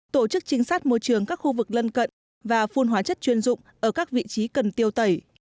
tổ chức trinh sát môi trường các khu vực lân cận và phun hóa chất chuyên dụng ở các vị trí cần tiêu tẩy